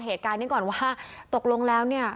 เหตุการณ์นี้ก่อนว่าตกลงแล้วเนี่ย